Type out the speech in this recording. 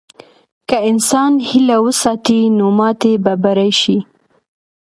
که انسان هیله وساتي، نو ماتې به بری شي.